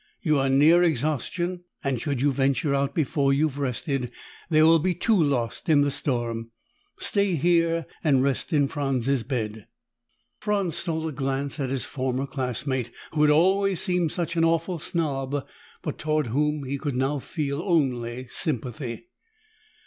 "You are near exhaustion and, should you venture out before you've rested, there will be two lost in the storm. Stay here and rest in Franz's bed." Franz stole a glance at his former classmate, who had always seemed such an awful snob but toward whom he could now feel only sympathy.